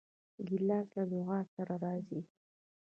ګیلاس له دعا سره راځي.